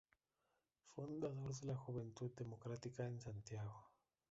Fundador de la Juventud Democrática en Santiago.